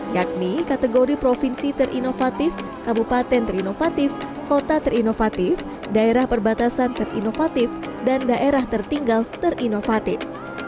yakni kategori provinsi terinovatif kabupaten terinovatif kota terinovatif daerah perbatasan terinovatif dan daerah tertinggal terinovatif